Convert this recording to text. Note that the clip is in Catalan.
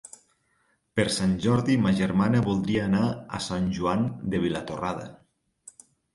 Per Sant Jordi ma germana voldria anar a Sant Joan de Vilatorrada.